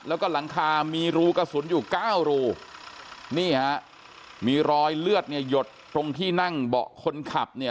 แล้วก็หลังคามีรูกระสุนอยู่เก้ารูนี่ฮะมีรอยเลือดเนี่ยหยดตรงที่นั่งเบาะคนขับเนี่ย